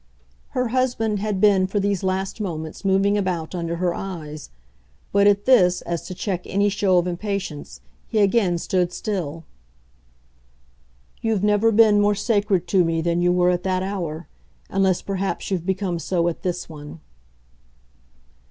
Her husband had been for these last moments moving about under her eyes; but at this, as to check any show of impatience, he again stood still. "You've never been more sacred to me than you were at that hour unless perhaps you've become so at this one."